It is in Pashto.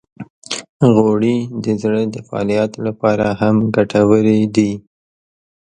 غوړې د زړه د فعالیت لپاره هم ګټورې دي.